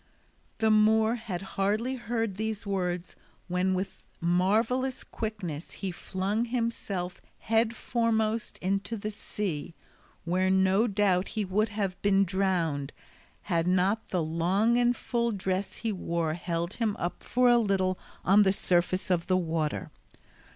The Moor had hardly heard these words when with marvellous quickness he flung himself headforemost into the sea, where no doubt he would have been drowned had not the long and full dress he wore held him up for a little on the surface of the water.